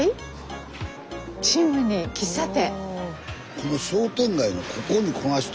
この商店街のここにこないして。